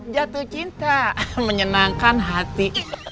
jatuh cinta menyenangkan hati